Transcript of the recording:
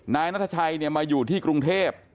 นายนัทชัยมาอยู่ที่กรุงเทพ